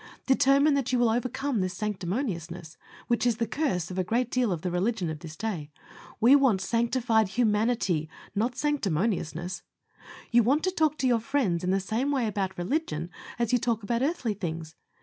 Determine that you will overcome this sanctimoniousness, which is the curse of a great deal of the religion of this day. We want SANCTIFIED HUMANITY, not sanctimoniousness. You want to talk to your friends in the same way about religion, as you talk about earthly things.